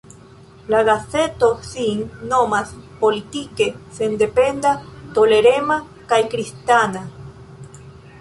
La gazeto sin nomas politike sendependa, tolerema kaj kristana.